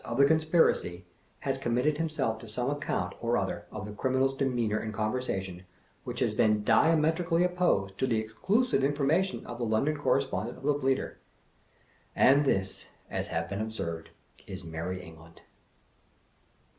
of the conspiracy, has committed himself to some account or other of the criminal's demeanor and conversation, which has been diametrically opposed to the exclusive information of the London Cor respondent of the Bleater. And this (as has been before observed) is Merry England!